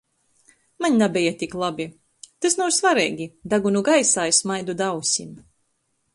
Maņ nabeja tik labi... Tys nav svareigi! Dagunu gaisā i smaidu da ausim...